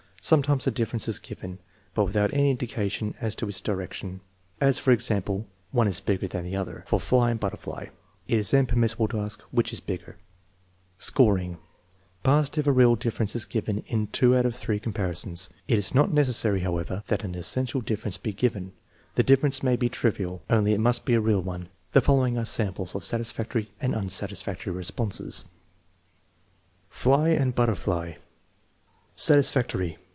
Sometimes a difference is given, but without any indication as to its direction, as, for ex ample, " One is bigger than the other " (for fly and butter fly). It is then permissible to ask: " Which is bigger? " 200 THE MEASUBEMENT OF INTELLIGENCE Scoring. Passed if a real difference is given in two out of three comparisons. It is not necessary, however, that an essential difference be given; the difference may be trivial, only it must be a real one. The following are samples of satisfactory and unsatisfactory responses: Fly and butterfly Satisfactory.